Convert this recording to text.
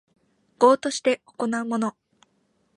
業として行うもの